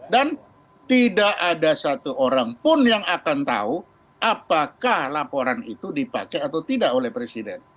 dan tidak ada satu orang pun yang akan tahu apakah laporan itu dipakai atau tidak oleh presiden